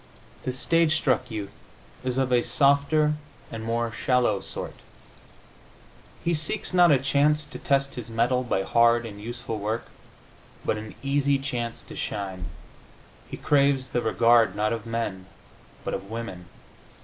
The stage struck youth is of a softer and more shallow sort. He seeks, not a chance to test his mettle by hard and useful work, but an easy chance to shine. He craves the regard, not of men, but of women.